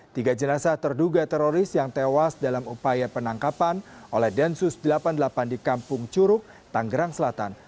tiga jenazah terduga teroris yang tewas dalam upaya penangkapan oleh densus delapan puluh delapan di kampung curug tanggerang selatan